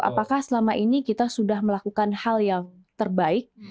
apakah selama ini kita sudah melakukan hal yang terbaik